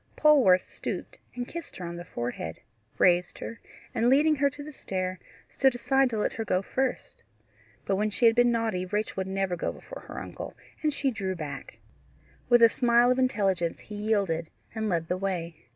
Polwarth stooped and kissed her on the forehead, raised her, and leading her to the stair, stood aside to let her go first. But when she had been naughty Rachel would never go before her uncle, and she drew back. With a smile of intelligence he yielded and led the way.